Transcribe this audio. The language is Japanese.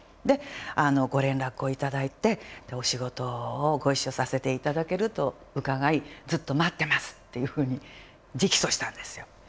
で「ご連絡を頂いてお仕事をご一緒させて頂けると伺いずっと待ってます」っていうふうに直訴したんですよ。